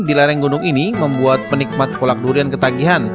di lereng gunung ini membuat penikmat kolak durian ketagihan